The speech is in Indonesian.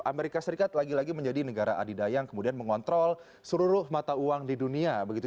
amerika serikat lagi lagi menjadi negara adidaya yang kemudian mengontrol seluruh mata uang di dunia begitu